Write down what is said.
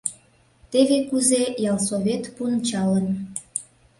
Теве кузе ялсовет пунчалын.